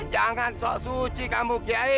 jangan sok suci kamu kiai